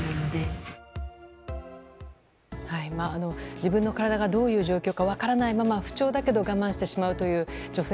自分の体がどういう状況か分からないまま不調だけど我慢してしまうという女性